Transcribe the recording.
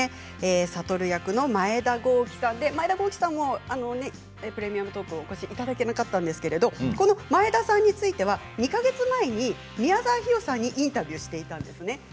智役の前田公輝さん前田さんも「プレミアムトーク」にお越しいただけなかったんですけれど前田さんについては２か月前に宮沢氷魚さんにインタビューしていました。